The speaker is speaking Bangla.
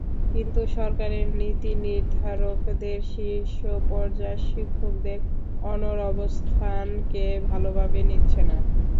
কিন্তু সরকারের নীতিনির্ধারকদের শীর্ষ পর্যায় শিক্ষকদের অনড় অবস্থানকে ভালোভাবে নিচ্ছে না।